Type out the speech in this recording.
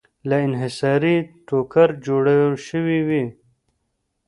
له انحصاري ټوکر جوړې شوې وې.